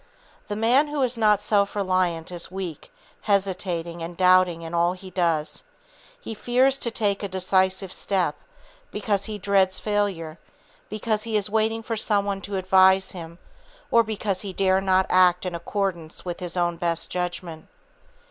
The man who is not self reliant is weak, hesitating and doubting in all he does. He fears to take a decisive step, because he dreads failure, because he is waiting for some one to advise him or because he dare not act in accordance with his own best judgment.